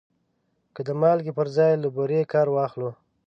که د مالګې پر ځای له بورې کار واخلو.